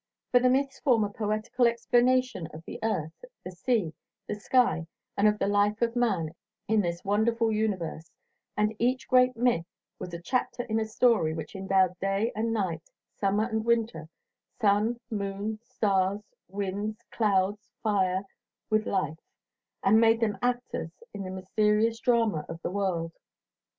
For the myths form a poetical explanation of the earth, the sea, the sky, and of the life of man in this wonderful universe, and each great myth was a chapter in a story which endowed day and night, summer and winter, sun, moon, stars, winds, clouds, fire, with life, and made them actors in the mysterious drama of the world.